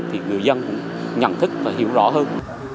thì người dân nhận thức và hiểu rõ hơn